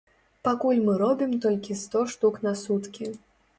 Пакуль мы робім толькі сто штук на суткі.